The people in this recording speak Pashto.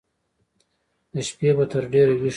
د شپې به تر ډېره ويښ و.